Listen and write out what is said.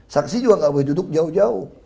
saksi juga nggak boleh duduk jauh jauh